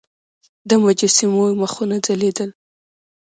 د مجسمو مخونه ځلیدل